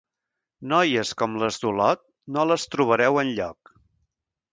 Noies com les d'Olot no les trobareu enlloc.